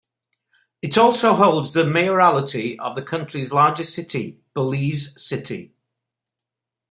It also holds the mayoralty of the country's largest city, Belize City.